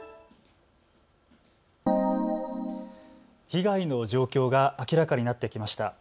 被害の状況が明らかになってきました。